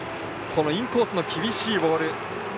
インコースの厳しいボール。